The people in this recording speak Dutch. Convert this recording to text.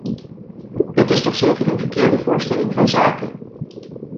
Dat is toch zeker een verkeerde voorstelling van zaken.